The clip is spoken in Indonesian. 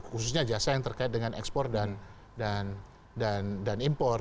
khususnya jasa yang terkait dengan ekspor dan impor